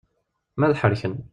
Ma ad ḥerken.